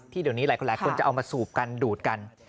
ที่เดี๋ยวนี้หลายคนแหละคุณจะเอามาสูบกันดูดกัน